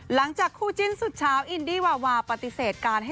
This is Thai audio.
หลังจากคู่จิ้นสุดเช้า